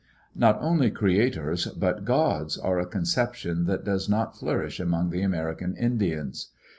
Not only creators but gods are a conception that does not flourish among the American Indians.